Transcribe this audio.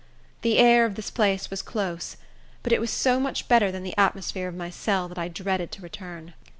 The air of this place was close; but it was so much better than the atmosphere of my cell, that I dreaded to return.